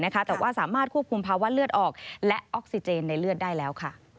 แต่ว่าสามารถควบคุมภาวะเลือดออกและออกซิเจนในเลือดได้แล้ว